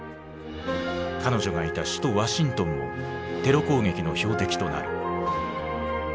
彼女がいた首都ワシントンもテロ攻撃の標的となる。